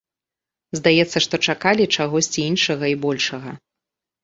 Здаецца, што чакалі чагосьці іншага і большага.